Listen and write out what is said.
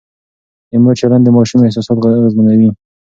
د مور چلند د ماشوم احساسات اغېزمنوي.